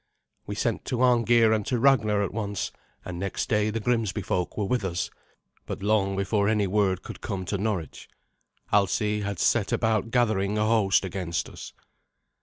We sent to Arngeir and to Ragnar at once, and next day the Grimsby folk were with us, but long before any word could come to Norwich, Alsi had set about gathering a host against us.